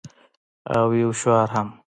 او یو شعار هم